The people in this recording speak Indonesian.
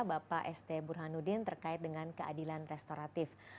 bapak st burhanuddin terkait dengan keadilan restoratif